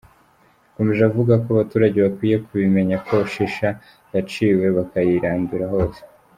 Yakomeje avuga ko abaturage bakwiye kubimenya ko shisha yaciwe bakayirandura hose.